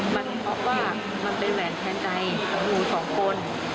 มันเพราะว่ามันเป็นแหวนแทนใจของงูสองคน